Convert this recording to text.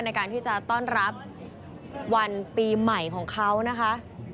ในการที่จะต้อนรับวันปีใหม่ของเขานะคะ